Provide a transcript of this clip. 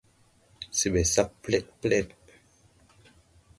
Se ɓɛ sag plɛɗplɛɗ.